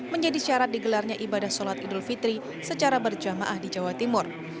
menjadi syarat digelarnya ibadah sholat idul fitri secara berjamaah di jawa timur